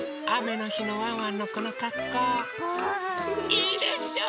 いいでしょう？